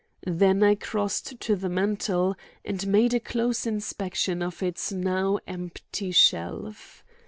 Then I crossed to the mantel and made a close inspection of its now empty shelf.